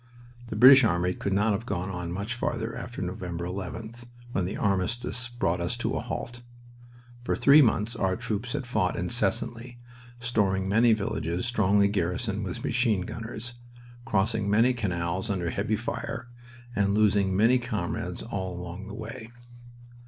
The British army could not have gone on much farther after November 11th, when the armistice brought us to a halt. For three months our troops had fought incessantly, storming many villages strongly garrisoned with machine gunners, crossing many canals under heavy fire, and losing many comrades all along the way.